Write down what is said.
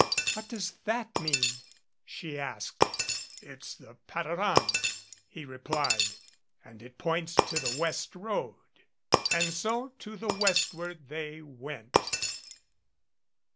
"What does that mean?" she asked. "It's the patteran," he replied, "and it points to the west road. And so to the westward they went.